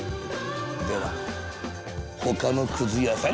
「ではほかのくず屋さんに」。